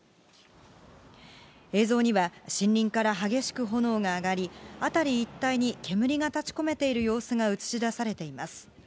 映像には、森林から激しく炎が上がり、辺り一帯に煙が立ち込めている様子が映し出されています。